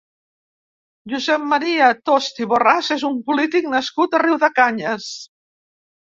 Josep Maria Tost i Borràs és un polític nascut a Riudecanyes.